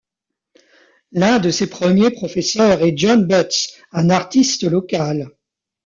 L'un de ses premiers professeurs est John Butts, un artiste local.